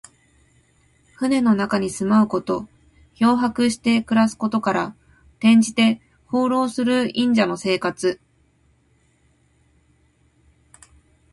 船の中に住まうこと。漂泊して暮らすことから、転じて、放浪する隠者の生活。